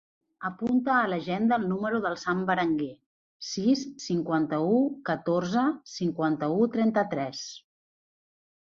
Apunta a l'agenda el número del Sam Berenguer: sis, cinquanta-u, catorze, cinquanta-u, trenta-tres.